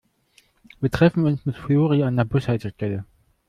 Wir treffen uns mit Flori an der Bushaltestelle.